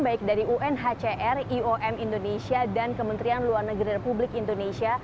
baik dari unhcr iom indonesia dan kementerian luar negeri republik indonesia